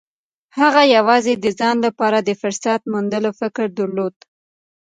هغه يوازې د ځان لپاره د فرصت موندلو فکر درلود.